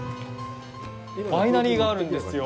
ワイナリーがあるんですよ。